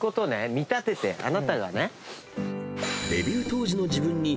見立ててあなたがね。